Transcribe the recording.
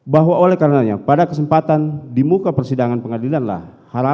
bahwa oleh karenanya pada kesempatan di muka persidangan pengadilanlah